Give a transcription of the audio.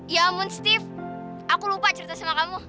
ya moon steve aku lupa cerita sama kamu